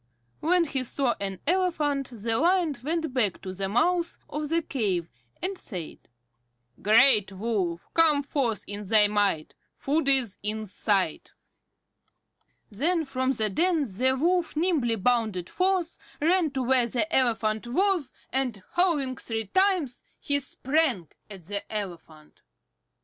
When he saw an elephant the Lion went back to the mouth of the cave, and said: "Great Wolf, come forth in thy might. Food is in sight." Then from the den the Wolf nimbly bounded forth, ran to where the elephant was, and, howling three times, he sprang at the elephant.